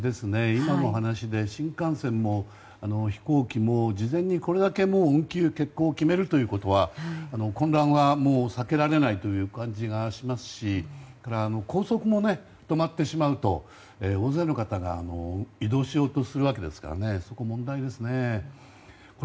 今の話で、新幹線も飛行機も事前にこれだけ運休・欠航を決めるということは混乱は避けられない感じがしますし高速も止まってしまうと大勢の方が移動しようとするわけですからそこは問題ですね。